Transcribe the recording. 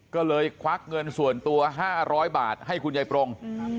ก็เลยควักเงินส่วนตัว๕๐๐บาทให้คุณยายปรง